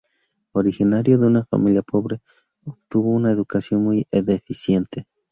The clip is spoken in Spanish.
Originario de una familia pobre obtuvo una educación muy deficiente.